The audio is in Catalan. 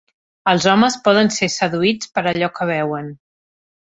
Els homes poden ser seduïts per allò que veuen.